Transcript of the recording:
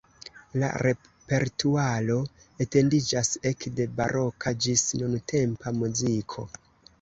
La repertuaro etendiĝas ekde baroka ĝis nuntempa muziko.